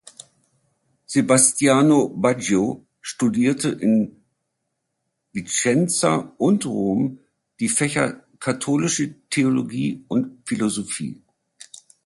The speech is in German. Sebastiano Baggio studierte in Vicenza und Rom die Fächer Katholische Theologie und Philosophie.